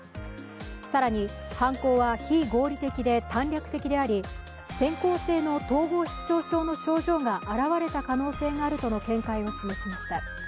更に、犯行は非合理的で短絡的であり潜行性の統合失調症の症状が現れた可能性があるとの見解を示しました。